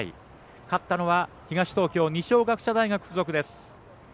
勝ったのは東東京二松学舎大付属です。